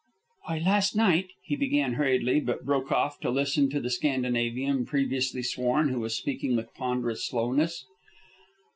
"Why, last night," he began hurriedly, but broke off to listen to the Scandinavian previously sworn, who was speaking with ponderous slowness.